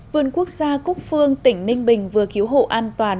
vườn quốc gia cúc phương tỉnh ninh bình vừa cứu hộ an toàn